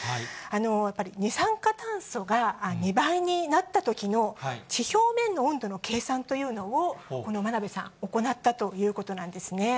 やっぱり二酸化炭素が２倍になったときの、地表面の温度の計算というのを、この真鍋さん、行ったということなんですね。